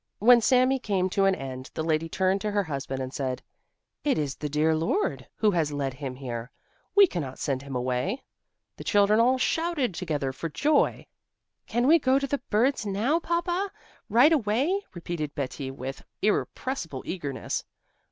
When Sami came to an end, the lady turned to her husband and said: "It is the dear Lord who has led him here. We cannot send him away!" The children all shouted together for joy. "Can we go to the birds now, Papa? Right away?" repeated Betti with irrepressible eagerness.